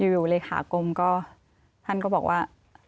เลขากรมก็ท่านก็บอกว่า